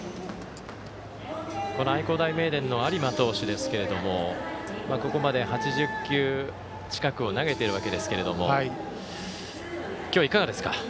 愛工大名電の有馬投手ですがここまで８０球近くを投げているわけですけれども今日、いかがですか？